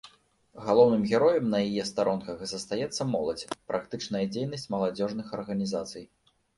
Галоўным героем на яе старонках застаецца моладзь, практычная дзейнасць маладзёжных арганізацый.